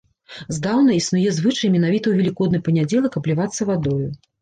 Здаўна існуе звычай менавіта ў велікодны панядзелак аблівацца вадою.